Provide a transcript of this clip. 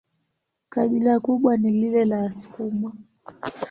Kabila kubwa ni lile la Wasukuma.